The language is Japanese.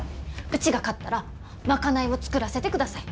うちが勝ったら賄いを作らせてください！